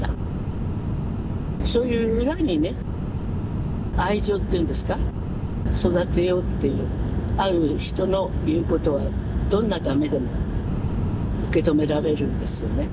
そういう裏にね愛情っていうんですか育てようっていうある人の言うことはどんなダメでも受け止められるんですよね。